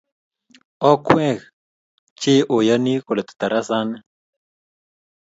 Akweg che oyoni kolet tarasani.